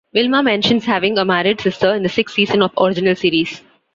Wilma mentions having a married sister in the sixth season of the original series.